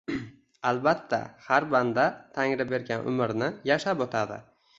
Albatta, har banda Tangri bergan umrni yashab o`tadi